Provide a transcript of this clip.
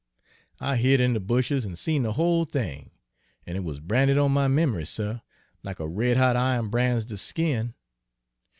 I hid in de bushes an' seen de whole thing, an' it wuz branded on my mem'ry, suh, like a red hot iron bran's de skin.